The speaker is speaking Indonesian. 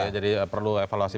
jadi perlu evaluasi